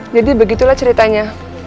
jadi begitulah ceritanya